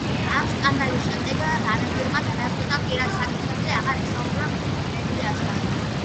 ამ სკანდალის შემდეგ, რანბირმა გადაწყვიტა პირად საკითხებზე აღარ ესაუბრა მედიასთან.